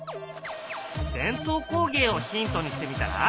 伝統工芸をヒントにしてみたら？